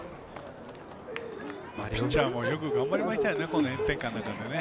ピッチャーもよく頑張りましたよね。